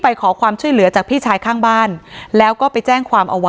ไปขอความช่วยเหลือจากพี่ชายข้างบ้านแล้วก็ไปแจ้งความเอาไว้